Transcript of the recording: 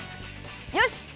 よし！